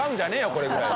これぐらいで。